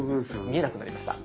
見えなくなりました。